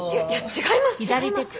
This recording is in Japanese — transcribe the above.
違います。